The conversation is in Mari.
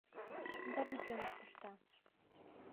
Да пӱкеныш пышта.